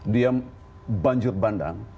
dia banjir bandang